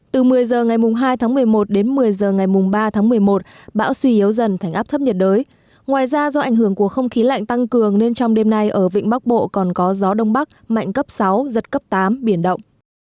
từ một mươi h ngày hai tháng một mươi một đến một mươi h ngày ba tháng một mươi một bão suy yếu dần thành áp thấp nhiệt đới ngoài ra do ảnh hưởng của không khí lạnh tăng cường nên trong đêm nay ở vịnh bắc bộ còn có gió đông bắc mạnh cấp sáu giật cấp tám biển động